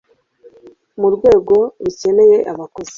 ku rwego rukeneye abakozi